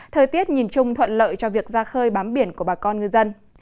thời tiết nhìn chung thuận lợi cho việc ra khơi bám biển của bà con ngư dân